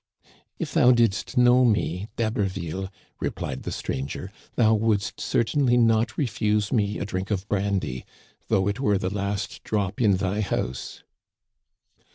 " If thou didst know me, D'Haberville," replied the stranger, *' thou wouldst certainly not refuse me a drink of brandy, though it were the last drop in thy house."